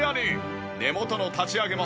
根元の立ち上げも安全。